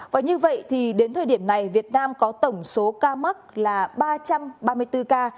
và như vậy thì đến thời điểm này việt nam có tổng số ca mắc là ba trăm ba mươi bốn ca